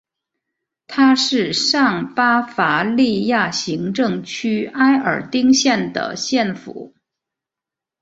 它是上巴伐利亚行政区埃尔丁县的县府。